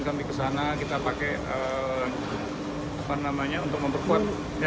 kami ke sana kita pakai apa namanya untuk memperkuat